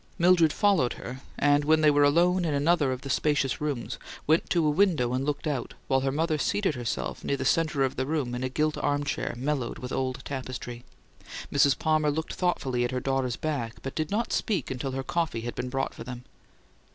Mildred followed her, and, when they were alone in another of the spacious rooms, went to a window and looked out, while her mother seated herself near the center of the room in a gilt armchair, mellowed with old Aubusson tapestry. Mrs. Palmer looked thoughtfully at her daughter's back, but did not speak to her until coffee had been brought for them.